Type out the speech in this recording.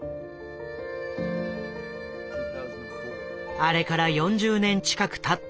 あれから４０年近くたった